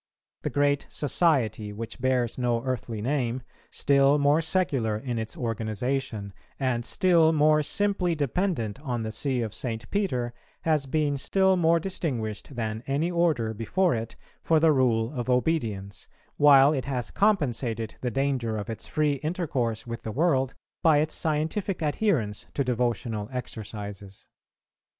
The great Society, which bears no earthly name, still more secular in its organization, and still more simply dependent on the See of St. Peter, has been still more distinguished than any Order before it for the rule of obedience, while it has compensated the danger of its free intercourse with the world by its scientific adherence to devotional exercises.